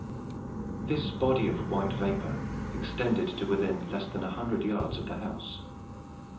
This body of white vapor extended to within less than a hundred yards of the house.